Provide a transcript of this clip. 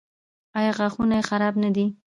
ایا غاښونه یې خراب نه دي؟